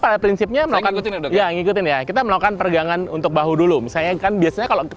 pada prinsipnya kita melakukan peregangan untuk bahu dulu biasanya kan biasanya kalau